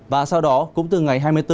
và sau đó cũng từ ngày hai mươi bốn